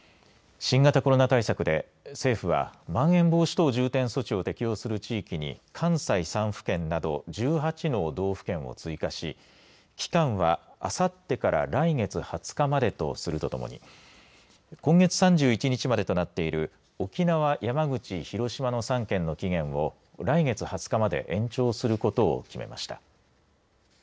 新型コロナ対策で政府はまん延防止等重点措置を適用する地域に関西３府県など１８の道府県を追加し期間はあさってから来月２０日までとするとともに今月３１日までとなっている沖縄、山口、広島の３県の期限を来月２０日まで延長することを決めました。